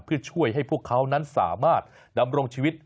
เพื่อช่วยให้พวกเขานั้นสามารถดำรงชีวิต